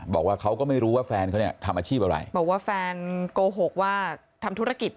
บอกว่าเขาก็ไม่รู้ว่าแฟนเขาเนี่ยทำอาชีพอะไรบอกว่าแฟนโกหกว่าทำธุรกิจ